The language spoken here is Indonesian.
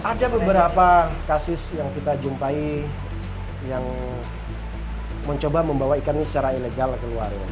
ada beberapa kasus yang kita jumpai yang mencoba membawa ikan ini secara ilegal keluar ya